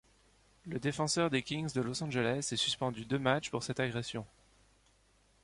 Le défenseur des Kings de Los Angeles est suspendu deux matchs pour cette agression.